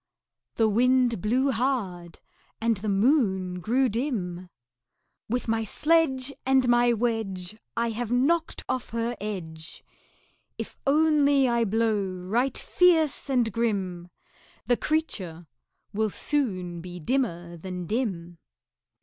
The Wind blew hard, and the Moon grew dim. "With my sledge And my wedge I have knocked off her edge! If only I blow right fierce and grim, The creature will soon be dimmer than dim."